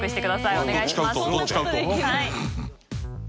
お願いします。